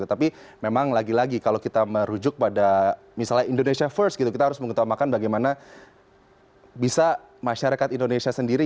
tapi memang lagi lagi kalau kita merujuk pada misalnya indonesia first gitu kita harus mengutamakan bagaimana bisa masyarakat indonesia sendiri